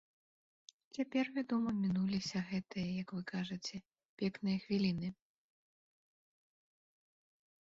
Цяпер, вядома, мінуліся гэтыя, як вы кажаце, пекныя хвіліны.